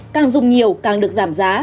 càng dùng nhiều càng được giảm giá